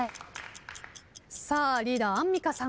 リーダーアンミカさん。